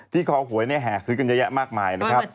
ที่คอหวยเนี่ยแห่งซื้อการเงียกมากมายนะครับ